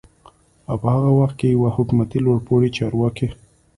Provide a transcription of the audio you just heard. او په هغه وخت کې يوه حکومتي لوړپوړي چارواکي